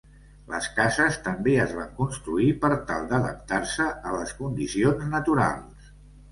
Les cases també es van construir per tal d'adaptar-se a les condicions naturals.